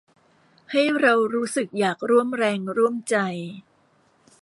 ให้เรารู้สึกอยากร่วมแรงร่วมใจ